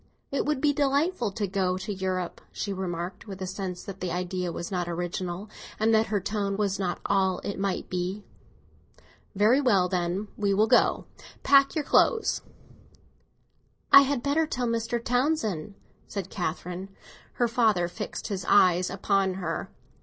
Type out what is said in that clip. "It would be delightful to go to Europe," she remarked, with a sense that the idea was not original, and that her tone was not all it might be. "Very well, then, we will go. Pack up your clothes." "I had better tell Mr. Townsend," said Catherine. Her father fixed his cold eyes upon her.